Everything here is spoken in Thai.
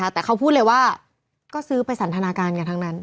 แต่เขาพูดเลยว่าก็ซื้อไปสันทนาการกันทั้งนั้น